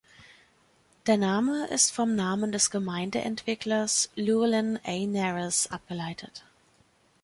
Der Name ist vom Namen des Gemeindeentwicklers Llewellyn A. Nares abgeleitet.